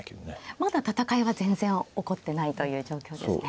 まだ戦いは全然起こってないという状況ですね。